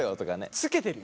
つけてるよ。